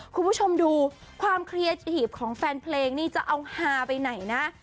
คุณผู้ชมดูความเคลียร์ถีบของแฟนเพลงนี่จะเอาฮาไปไหนนะ